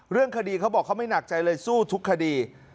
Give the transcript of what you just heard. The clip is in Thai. เรื่องคดีเขาบอกเขาไม่หนักใจเลยสู้ทุกคดี